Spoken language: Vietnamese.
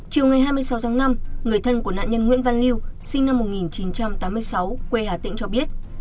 chiều ngày hai mươi sáu tháng năm người thân của nạn nhân nguyễn văn liêu sinh năm một nghìn chín trăm tám mươi sáu quê hà tĩnh cho biết